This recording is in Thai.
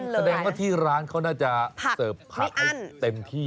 แสดงว่าที่ร้านเขาน่าจะเสิร์ฟผักให้เต็มที่